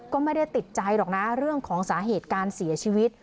ก็ไม่ได้ติดใจหรอกนะเรื่องของสาเหตุการเสียชีวิต